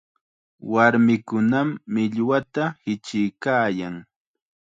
Warmikunam millwata hichiykaayan.